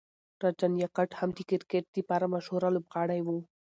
راجنیکانټ هم د کرکټ د پاره مشهوره لوبغاړی و.